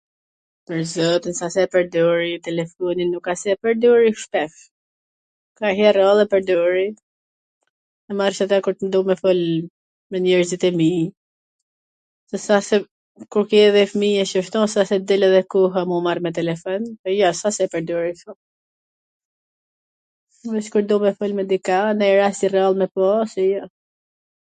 Pwr zotin, s a se pwrdori telefonin nuk a se e pwrdori shpesh, kanjher rrall e pwrdori .... kur du me fol me njerzit e mi, se s a se kur ke edhe fmij edhe kshtu edhe nuk tw del edhe koha me u marr me telefon, po jo, s a se e pwrdori shum. VeC kur du me fol me dikw, nanj rast i rrall, me po ose jo.